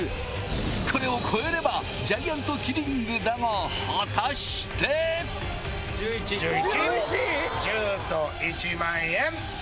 これを超えればジャイアントキリングだが果たして⁉１１⁉１０と１万円！